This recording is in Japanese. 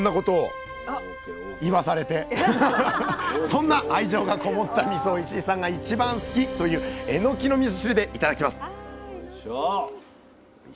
そんな愛情がこもったみそを石井さんが一番好き！というえのきのみそ汁でいただきます！